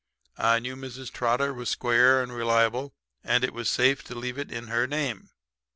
I knew Mrs. Trotter was square and reliable and it was safe to leave it in her name.